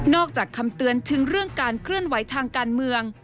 จากคำเตือนถึงเรื่องการเคลื่อนไหวทางการเมือง